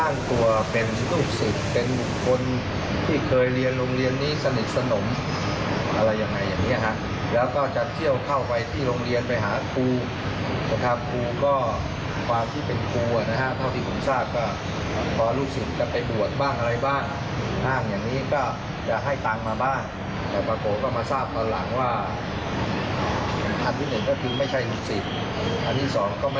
นี่ค่ะผู้เสียหายเยอะนะคะ